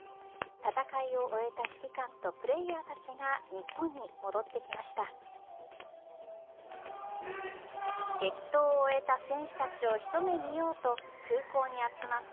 戦いを終えた指揮官とプレーヤーたちが日本に戻ってきました。